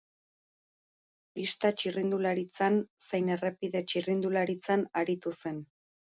Pista txirrindularitzan zein errepide txirrindularitzan aritu zen.